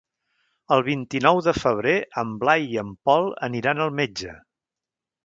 El vint-i-nou de febrer en Blai i en Pol aniran al metge.